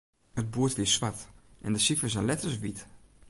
It boerd wie swart en de sifers en letters wyt.